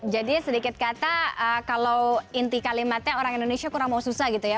jadi sedikit kata kalau inti kalimatnya orang indonesia kurang mau susah gitu ya